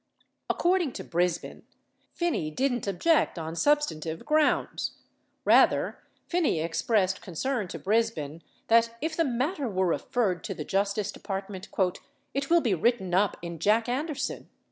According to Brisbin, Phinney didn't object on substan tive grounds ; rather, Phinney expressed concern to Brisbin that if the matter were referred to the Justice Department, "it will be written up in Jack Anderson."